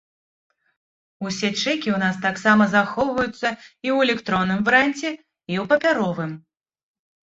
Усе чэкі ў нас таксама захоўваюцца і ў электронным варыянце, і ў папяровым.